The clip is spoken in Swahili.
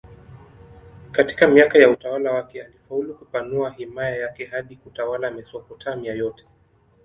Katika miaka ya utawala wake alifaulu kupanua himaya yake hadi kutawala Mesopotamia yote.